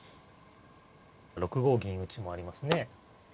６五銀打もありますね。